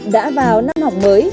đã vào năm học mới